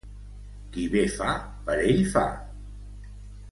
Qui bé fa, per ell fa.